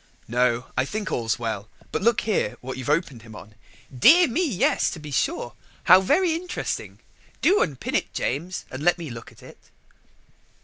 "No, I think all's well: but look here what you've opened him on." "Dear me, yes, to be sure! how very interesting. Do unpin it, James, and let me look at it."